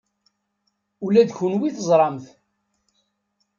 Ula d kenwi teẓram-t.